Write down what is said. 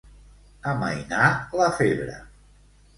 Amainar la febre.